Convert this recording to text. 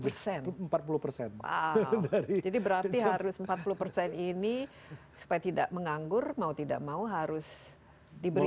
jadi berarti harus empat puluh ini supaya tidak menganggur mau tidak mau harus diberikan